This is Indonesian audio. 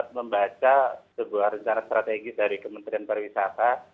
kita sempat membaca sebuah rencana strategis dari kementerian pariwisata